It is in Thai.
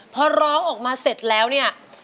พอร้องออกมาเสร็จแล้วเนี่ย